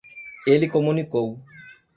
Ele comunicou.